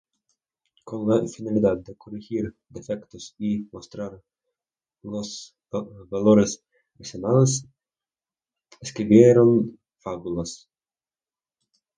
Con la finalidad de corregir defectos y mostrar los valores racionales, escribieron fábulas.